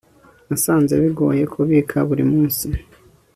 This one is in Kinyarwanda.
nasanze bigoye kubika buri munsi